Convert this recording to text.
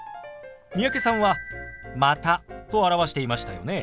三宅さんは「また」と表していましたよね。